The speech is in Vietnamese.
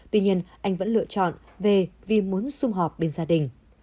tuy nhiên anh vẫn lựa chọn về vì muốn xung họp bên gia đình